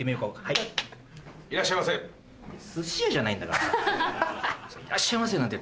「いらっしゃいませ！」なんて。